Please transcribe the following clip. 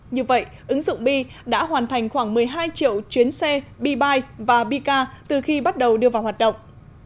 như vậy ứng dụng bi đã hoàn thành khoảng một mươi hai triệu chuyến xe bi bike và bi car từ khi bắt đầu đưa vào hoạt động